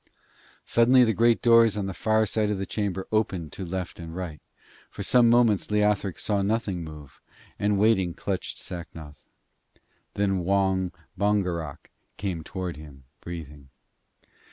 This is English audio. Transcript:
Suddenly the great doors on the far side of the chamber opened to left and right. For some moments Leothric saw nothing move, and waited clutching Sacnoth. Then Wong Bongerok came towards him, breathing.